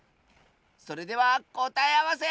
それではこたえあわせ！